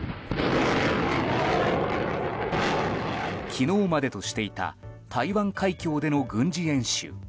昨日までとしていた台湾海峡での軍事演習。